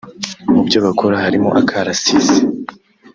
Mu byo bakoze harimo akarasisi